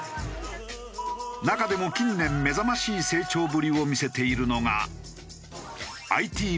中でも近年目覚ましい成長ぶりを見せているのが。